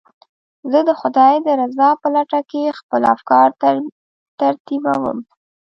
زه د خدای د رضا په لټه کې خپل افکار ترتیبوم.